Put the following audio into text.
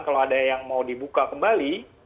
baru mau dibuka kembali